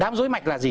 đám dối mạch là gì